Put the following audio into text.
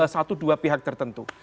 satu dua pihak tertentu